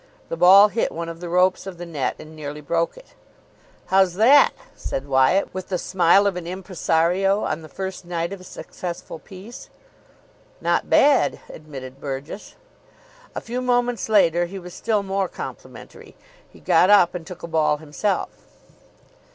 The ball hit one of the ropes of the net, and nearly broke it. "How's that?" said Wyatt, with the smile of an impresario on the first night of a successful piece. "Not bad," admitted Burgess. A few moments later he was still more complimentary. He got up and took a ball himself.